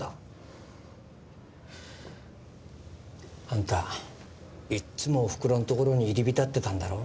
あんたいっつもおふくろのところに入り浸ってたんだろ？